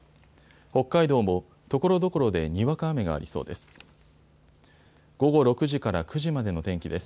北海道もところどころでにわか雨がありそうです。